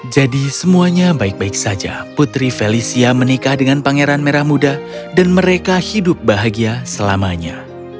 jadi semuanya baik baik saja putri felicia menikah dengan pangeran merah muda dan mereka hidup bahagia selamanya